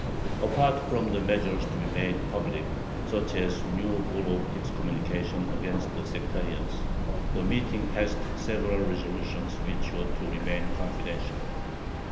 Apart from the measures to be made public, such as a new bull of excommunication against the sectarians, the meeting passed several resolutions which were to remain confidential.